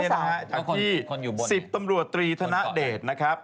จากที่๑๐ตำรวจตรีธนเดช